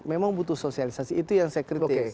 memang butuh sosialisasi itu yang saya kritik